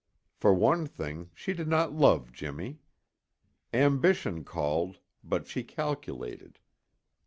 For one thing, she did not love Jimmy. Ambition called, but she calculated.